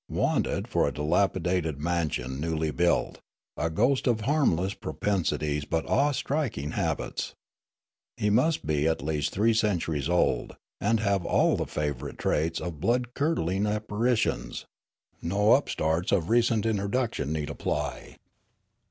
' Wanted, for a dilapidated mansion newly built, a ghost of harmless propensities but awe striking habits. He must be at least three centuries old, and have all the favourite traits of blood curdling appar itions. No upstarts of recent introduction need apply.'